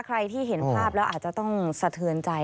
ใครที่เห็นภาพแล้วอาจจะต้องสะเทือนใจ